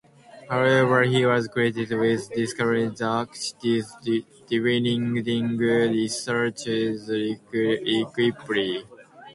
However, "he was credited with distributing the City's dwindling resources equitably".